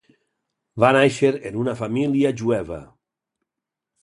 Va nàixer en una família jueva.